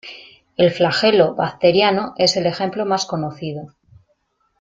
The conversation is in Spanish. El flagelo bacteriano es el ejemplo más conocido.